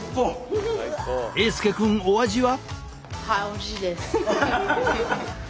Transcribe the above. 英佑くんお味は？